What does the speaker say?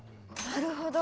なるほど。